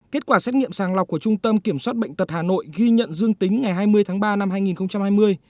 kết quả xét nghiệm sàng lọc của trung tâm kiểm soát bệnh tật hà nội ghi nhận dương tính ngày hai mươi tháng ba năm hai nghìn hai mươi